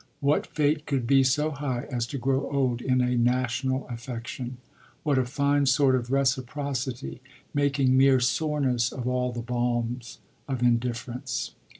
What fate could be so high as to grow old in a national affection? What a fine sort of reciprocity, making mere soreness of all the balms of indifference!